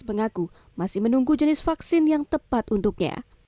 mengaku masih menunggu jenis vaksin yang tepat untuknya